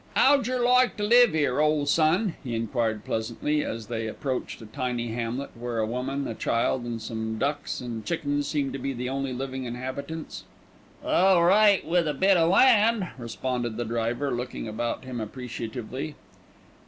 "'Owd jer like to live 'ere, ole son?" he enquired pleasantly, as they approached a tiny hamlet where a woman, a child, and some ducks and chickens seemed to be the only living inhabitants. "All right with a bit o' land," responded the driver, looking about him appreciatively.